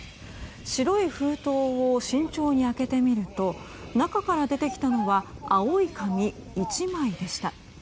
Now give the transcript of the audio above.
白い封筒を慎重に開けてみると中から出てきたのは青い紙１枚でした。